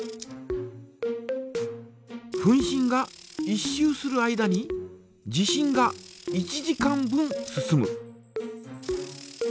分針が１周する間に時針が１時間分進む。